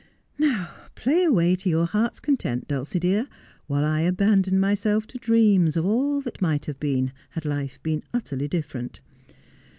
' Now play away to your heart's content, Dulcie dear, while I abandon myself to dreams of all that might have been, had life been utterly different.